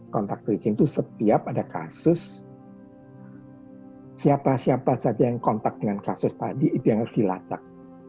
kontak tracing itu setiap ada kasus siapa siapa saja yang kontak dengan kasus tadi itu yang harus dilacak